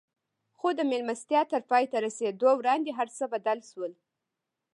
خو د مېلمستيا تر پای ته رسېدو وړاندې هر څه بدل شول.